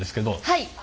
はい。